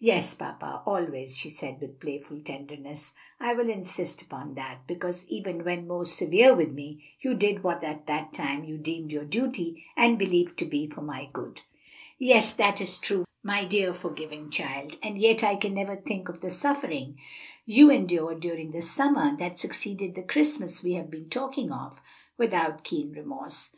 "Yes, papa, always," she said with playful tenderness. "I will insist upon that; because even when most severe with me, you did what at the time you deemed your duty, and believed to be for my good." "Yes, that is true, my dear, forgiving child! and yet I can never think of the suffering you endured during the summer that succeeded the Christmas we have been talking of, without keen remorse."